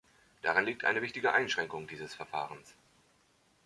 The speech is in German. Darin liegt eine wichtige Einschränkung dieses Verfahrens.